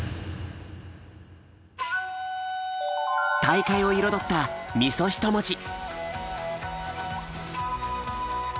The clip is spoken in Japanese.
大会を彩った三十一文字。